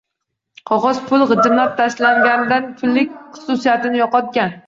Qogʻoz pul gʻijimlab tashlanganidan pullik xususiyatini yoʻqotgan